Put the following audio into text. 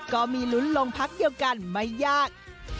ก็มีลุ้นลงพักเดียวกันไม่ยาก